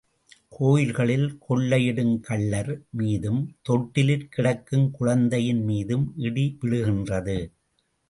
கோயில்களில் கொள்ளையிடுங் கள்ளர் மீதும், தொட்டிலிற் கிடக்குங் குழந்தையின் மீதும் இடி விழுகின்றது.